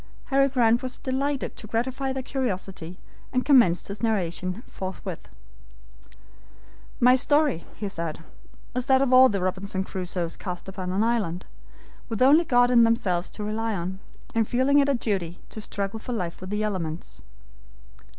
Harry Grant was delighted to gratify their curiosity, and commenced his narration forthwith. "My story," he said, "is that of all the Robinson Crusoes cast upon an island, with only God and themselves to rely on, and feeling it a duty to struggle for life with the elements.